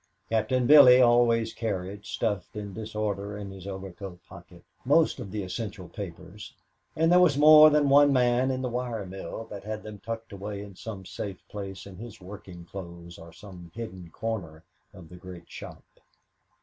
Captain Billy always carried, stuffed in disorder in his overcoat pocket, most of the essential papers; and there was more than one man in the wire mill that had them tucked away in some safe place in his working clothes or some hidden corner of the great shop.